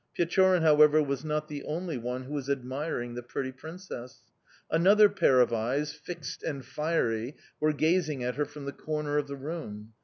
Pechorin, however, was not the only one who was admiring the pretty princess; another pair of eyes, fixed and fiery, were gazing at her from the corner of the room.